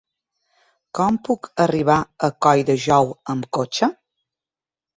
Com puc arribar a Colldejou amb cotxe?